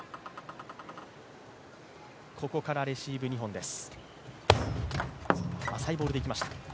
ここからレシーブ２本です。